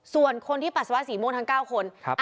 ส่วนคนที่ปัสสาวะสีม่วงทั้ง๙คน